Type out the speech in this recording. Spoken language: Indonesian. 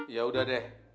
ya udah deh